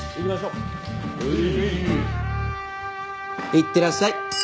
いってらっしゃい。